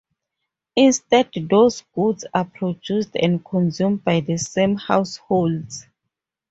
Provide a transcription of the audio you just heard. Instead, those goods are produced and consumed by the same households.